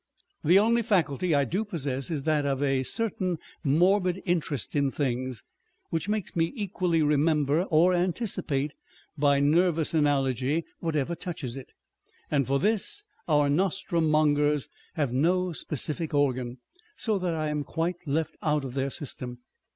The only faculty I do possess is that of a certain morbid interest in things, which makes me equally remember or anticipate by nervous analogy whatever touches it ; and for this our nostrum mongers have no specific organ, so that I am quite loft out of their system.